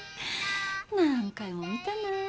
何回も見たなぁ。